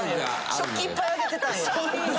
食器いっぱいあげてたんや。